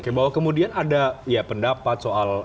oke bahwa kemudian ada ya pendapat soal